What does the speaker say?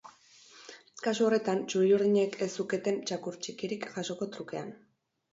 Kasu horretan, txuri-urdinek ez zuketen txakur txikirik jasoko trukean.